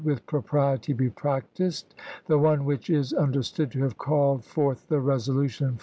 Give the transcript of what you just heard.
'S with propriety be practiced, the one which is un ph^Sm, derstood to have called forth the resolution fur "StiS7